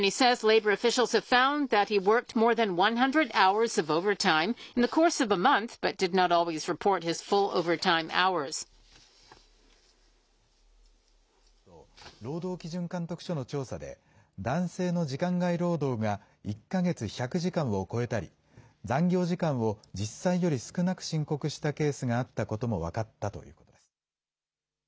弁護士によりますと、労働基準監督署の調査で、男性の時間外労働が１か月１００時間を超えたり、残業時間を実際より少なく申告したケースがあったことも分かったということです。